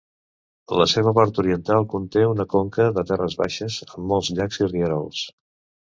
La seva part oriental conté una conca de terres baixes amb molts llacs i rierols.